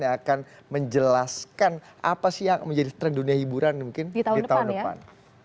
yang akan menjelaskan apa sih yang menjadi tren dunia hiburan mungkin di tahun depan